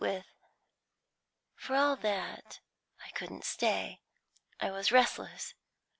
"For all that I couldn't stay. I was restless.